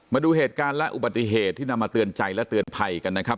มาดูเหตุการณ์และอุบัติเหตุที่นำมาเตือนใจและเตือนภัยกันนะครับ